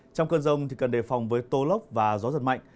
trong cơn rông cần đề phòng với tô lốc và gió giật mạnh